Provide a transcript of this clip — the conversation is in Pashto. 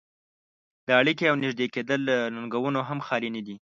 دا اړيکې او نږدې کېدل له ننګونو هم خالي نه دي.